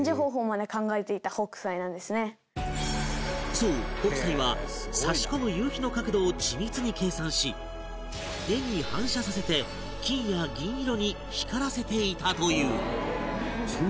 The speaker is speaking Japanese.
そう北斎は差し込む夕陽の角度を緻密に計算し絵に反射させて金や銀色に光らせていたという